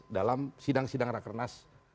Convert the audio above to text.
dalam sidang sidang rakenas